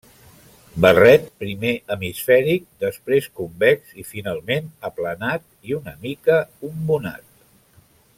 Barret primer hemisfèric, després convex i finalment aplanat i una mica umbonat.